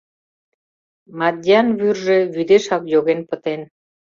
Мадьян вӱржӧ вӱдешак йоген пытен.